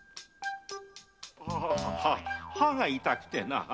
ああ歯が痛くてな。